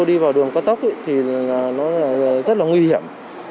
đi vào đường cao tốc thì nó rất là nguy hiểm